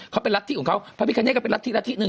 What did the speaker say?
เขาเป็นระทิของเขาพระพิคเนธก็เป็นระทิอันที่หนึ่ง